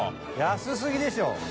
安すぎでしょ！